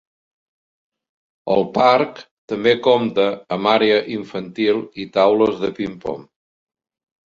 El parc també compta amb àrea infantil i taules de ping-pong.